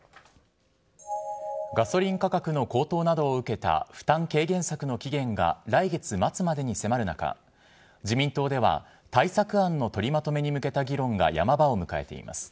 ガソリン価格の高騰などを受けた負担軽減策の期限が来月末までに迫る中、自民党では対策案の取りまとめに向けた議論がヤマ場を迎えています。